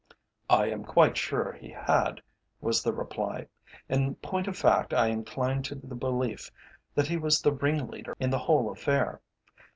"I am quite sure he had," was the reply. "In point of fact I incline to the belief that he was the ringleader in the whole affair.